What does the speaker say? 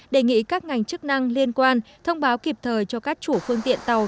đề nghị các ngành chức năng liên quan thông báo kịp thời cho các chủ phương tiện tàu